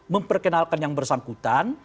memperkenalkan yang bersangkutan